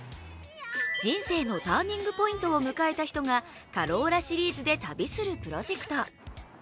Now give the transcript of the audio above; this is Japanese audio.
人生のターニングポイントを迎えた人がカローラシリーズで旅するプロジェクト。